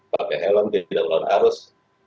pak helen dia tidak pelawan arus